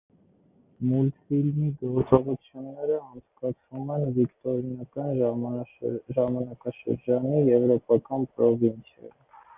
Մուլտֆիլմի գործողությունները անցկացվում են վիկտորիանական ժամանակաշրջանի եվրոպական պրովինցիայում։